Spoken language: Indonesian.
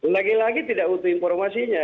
lagi lagi tidak butuh informasinya